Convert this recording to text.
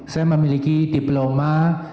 saya memiliki diploma